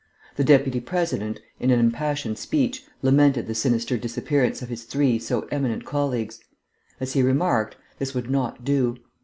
The Deputy President, in an impassioned speech, lamented the sinister disappearance of his three so eminent colleagues. As he remarked, this would not do.